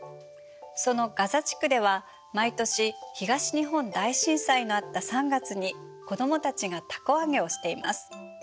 そのガザ地区では毎年東日本大震災のあった３月に子供たちがたこ揚げをしています。